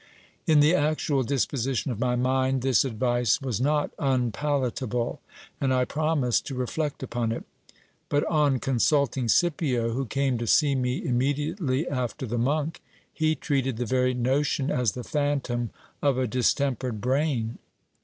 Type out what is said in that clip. In the actual disposition of my mind, this advice was not unpalatable ; and I promised to reflect upon it. But on consulting Scipio, who came to see me im mediately after the monk, he treated the very notion as the phantom of a dis tempered brain.